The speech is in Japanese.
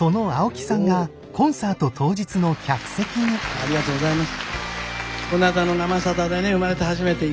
ありがとうございます。